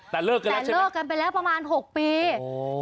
แต่เลิกกันไปแล้วประมาณ๖ปี